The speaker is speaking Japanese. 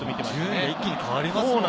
順位が一気に変わりますもんね。